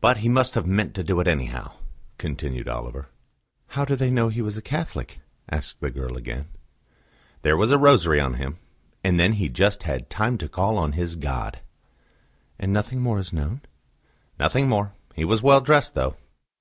"But he must have meant to do it anyhow," continued Oliver. "How do they know he was a Catholic?" asked the girl again. "There was a rosary on him; and then he just had time to call on his God." "And nothing more is known?" "Nothing more. He was well dressed, though."